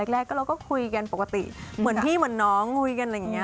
แรกเราก็คุยกันปกติเหมือนพี่เหมือนน้องคุยกันอะไรอย่างนี้